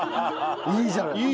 いいじゃない。